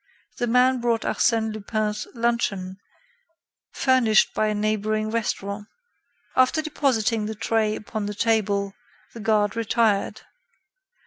The man brought Arsène Lupin's luncheon, furnished by a neighboring restaurant. After depositing the tray upon the table, the guard retired.